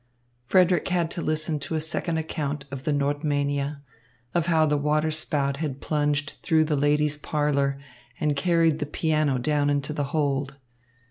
Frederick had to listen to a second account of the Nordmania, of how the waterspout had plunged through the ladies' parlour and carried the piano down into the hold.